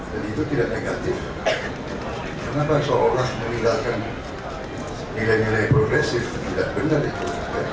dan itu tidak negatif karena bakal seolah olah meninggalkan nilai nilai progresif tidak benar itu